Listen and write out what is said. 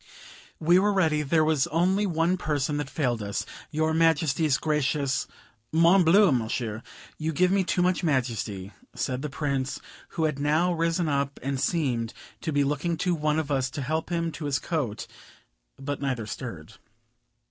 We were ready; there was only one person that failed us, your Majesty's gracious " "Morbleu, Monsieur, you give me too much Majesty," said the Prince, who had now risen up and seemed to be looking to one of us to help him to his coat. But neither stirred.